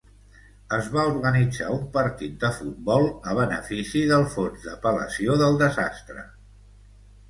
Es va organitzar un partit de futbol a benefici del fons d'apel·lació del desastre.